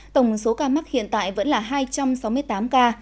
tổng số ca mắc hiện tại vẫn là hai trăm sáu mươi tám ca